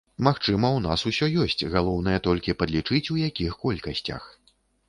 Магчыма, у нас усё ёсць, галоўнае толькі падлічыць, у якіх колькасцях.